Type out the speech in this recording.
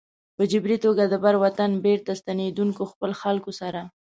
په جبري توګه د بر وطن بېرته ستنېدونکو خپلو خلکو سره.